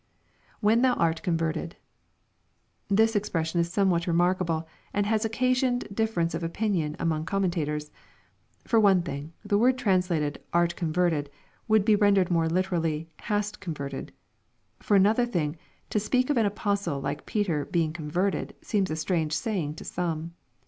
[ When th yu art converted.] This expression is somewhat re markable, aid has occasioned difference of opinion among com* mentators. For one thing, the word translated " art converted," would be rendered more Uterally " hast converted." For another thing, to speak of an apostle like Peter being " converted," seems a strange saying to some.